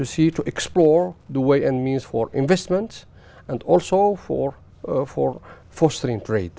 và bác sĩ của tôi đã gặp bác sĩ và bác sĩ của bạn và họ đã phát triển tình trạng này